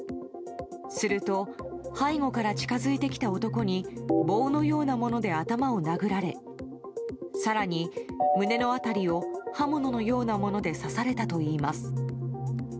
すると背後から近づいてきた男に棒のようなもので頭を殴られ更に胸の辺りを刃物のようなもので刺されたといいます。